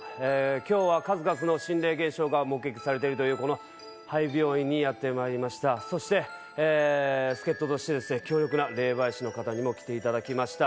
今日は数々の心霊現象が目撃されてるというこの廃病院にやってまいりましたそしてえ助っ人としてですね強力な霊媒師の方にも来ていただきました